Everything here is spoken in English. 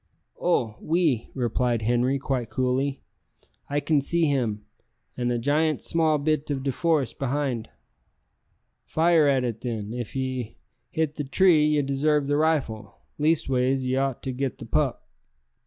"Oh! oui," replied Henri quite coolly; "I can see him, an' a goot small bit of de forest beyond." "Fire at it, then. If ye hit the tree ye desarve the rifle leastways ye ought to get the pup."